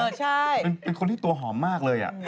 มันคือคนที่ตัวหอมมากเลยอะ